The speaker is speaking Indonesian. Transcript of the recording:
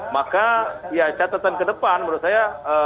maka ya catatan ke depan menurut saya